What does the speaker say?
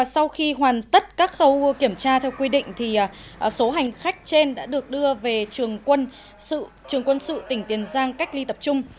sau khi hoàn tất các khâu kiểm tra theo quy định số hành khách trên đã được đưa về trường quân sự quân sự tỉnh tiền giang cách ly tập trung